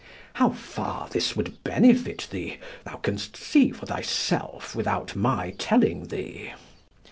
How far this would benefit thee thou canst see for thyself without my telling thee.